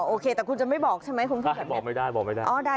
โอเคแต่คุณจะไม่บอกใช่ไหมคุณผู้ชมบอกไม่ได้บอกไม่ได้